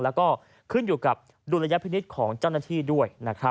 แล้วก็ขึ้นอยู่กับดุลยพินิษฐ์ของเจ้าหน้าที่ด้วย